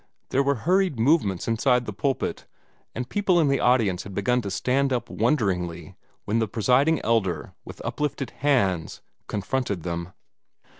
There were hurried movements inside the pulpit, and people in the audience had begun to stand up wonderingly, when the Presiding Elder, with uplifted hands, confronted them.